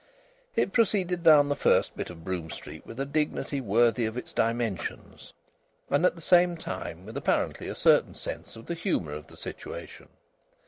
It proceeded down the first bit of Brougham Street with a dignity worthy of its dimensions, and at the same time with apparently a certain sense of the humour of the situation.